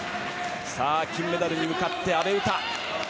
金メダルに向かって阿部詩。